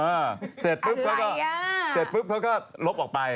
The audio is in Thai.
อ้าวเสร็จปุ๊บเขาก็ลบออกไป